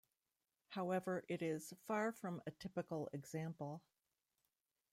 However it is far from a typical example.